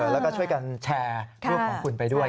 แล้วก็ช่วยกันแชร์รูปของคุณไปด้วย